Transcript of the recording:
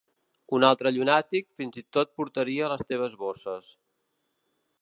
Un altre llunàtic, fins i tot portaria les teves bosses.